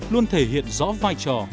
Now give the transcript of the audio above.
luôn thể hiện rõ vai trò